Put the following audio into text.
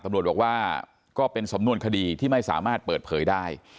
ตำรวจบอกว่าก็เป็นสำนวนคดีที่ไม่สามารถเปิดเผยได้